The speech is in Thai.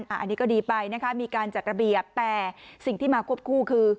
อันนี้ก็ดีไปนะคะมีการจัดระเบียบแต่สิ่งที่มาควบคู่คือ